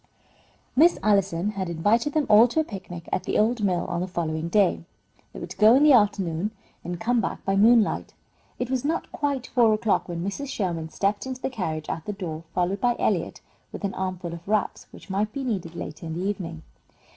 Miss Allison had invited them all to a picnic at the old mill on the following day. They were to go in the afternoon and come back by moonlight. It was not quite four o'clock when Mrs. Sherman stepped into the carriage at the door, followed by Eliot with an armful of wraps, which might be needed later in the evening.